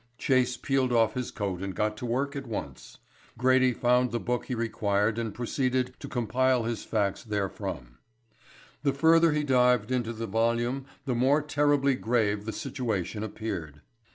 Chase peeled off his coat and got to work at once. Grady found the book he required and proceeded to compile his facts therefrom. The further he dived into the volume the more terribly grave the situation appeared.